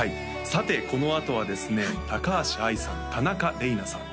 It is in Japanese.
さてこのあとはですね高橋愛さん田中れいなさん